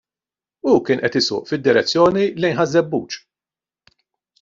Hu kien qed isuq fid-direzzjoni lejn Ħaż - Żebbuġ.